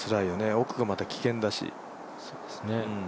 奥がまた危険だし。